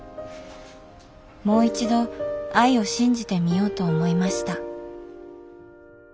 もう一度愛を信じてみようと思いました。